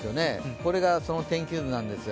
これがその天気図なんですが。